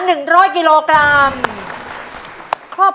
หนึ่งหมื่นหนึ่งหมื่น